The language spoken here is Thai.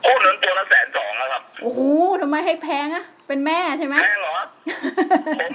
คู่นั้นตัวละแสนสองอ่ะครับโอ้โหทำไมให้แพงอ่ะเป็นแม่ใช่ไหมแพงอ๋อ